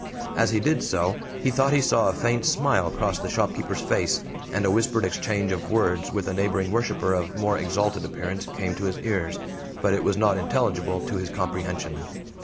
As he did so he thought he saw a faint smile cross the shopkeeper's face, and a whispered exchange of words with a neighboring worshiper of more exalted appearance came to his ears. But it was not intelligible to his comprehension.